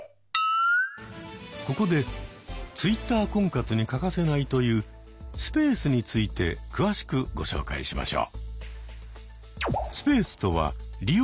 ここでＴｗｉｔｔｅｒ婚活に欠かせないというスペースについて詳しくご紹介しましょう。